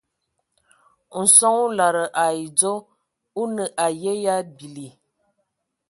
Nson o lada ai dzɔ o nə aye yə a bili.